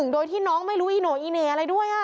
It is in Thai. โดยที่น้องไม่รู้อีโน่อีเหน่อะไรด้วย